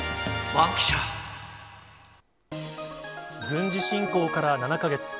軍事侵攻から７か月。